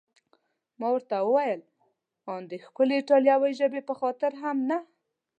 ما ورته وویل: ان د ښکلې ایټالوي ژبې په خاطر هم نه؟